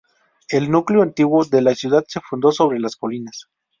El núcleo antiguo de la ciudad se fundó sobre las colinas.